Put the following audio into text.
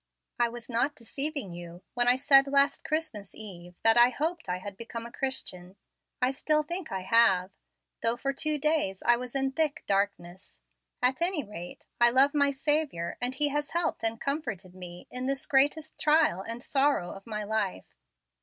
I was not deceiving you when I said last Christmas eve that I hoped I had become a Christian. I still think I have, though for two days I was in thick darkness. At any rate, I love my Saviour, and He has helped and comforted me in this greatest trial and sorrow of my life.